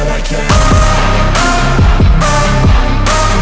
aduh ya ampun